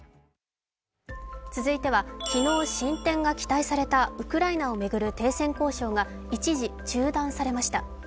続いては昨日進展が期待されたウクライナを巡る停戦交渉が一時中断されました。